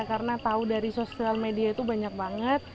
karena tau dari sosial media itu banyak banget